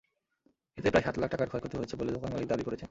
এতে প্রায় সাত লাখ টাকার ক্ষয়ক্ষতি হয়েছে বলে দোকানমালিক দাবি করেছেন।